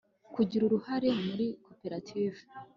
kugira uruhare muri koperative